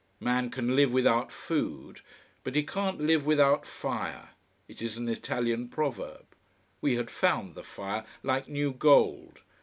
Man can live without food, but he can't live without fire. It is an Italian proverb. We had found the fire, like new gold.